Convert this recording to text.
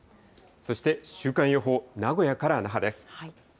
そして週間予報、名古屋から那覇です。